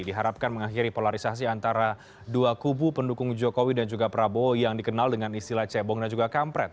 diharapkan mengakhiri polarisasi antara dua kubu pendukung jokowi dan juga prabowo yang dikenal dengan istilah cebong dan juga kampret